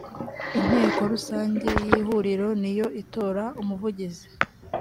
inteko rusange y’ihuriro niyo itora umuvugizi